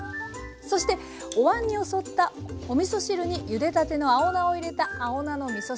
そしてお碗によそったおみそ汁にゆでたての青菜を入れた青菜のみそ汁。